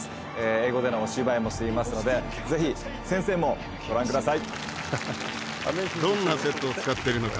英語でのお芝居もしていますのでぜひ先生もご覧ください。を使ってるのか